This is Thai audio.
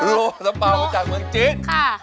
โลสัมเภาจากเมืองจีน